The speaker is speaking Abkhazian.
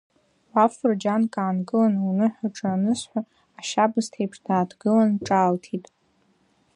Уа фырџьанк аанкылан, лныҳәаҿа анысҳәа, ашьабысҭеиԥш дааҭгылан, ҿаалҭит…